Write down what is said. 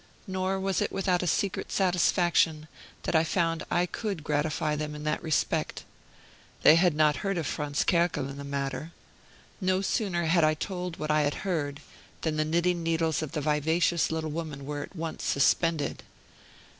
Nor was it without a secret satisfaction that I found I could gratify them in that respect. They had not heard of Franz Kerkel in the matter. No sooner had I told what I had heard than the knitting needles of the vivacious little woman were at once suspended.